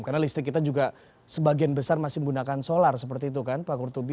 karena listrik kita juga sebagian besar masih menggunakan solar seperti itu kan pak kurtubi